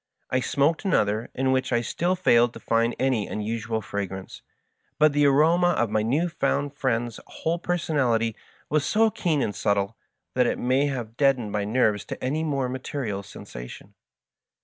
I smoked another, in which I still failed to find any unusual fra grance ; but the aroma of my new found friend's whole personality was so keen and subtle, that it may have deadened my nerves to any more material sensation.